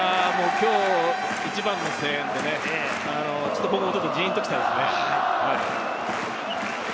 今日一番の声援で、ちょっと僕もジーンと来ちゃいますね。